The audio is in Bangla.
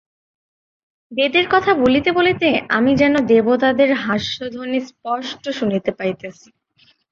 বেদের কথা বলিতে বলিতে আমি যেন দেবতাদের হাস্যধ্বনি স্পষ্ট শুনিতে পাইতেছি।